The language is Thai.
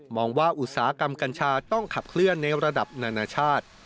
องว่าอุตสาหกรรมกัญชาต้องขับเคลื่อนในระดับนานาชาติ